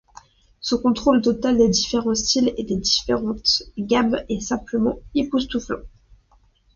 Son contrôle total des différents styles et des différentes gammes est simplement époustouflant.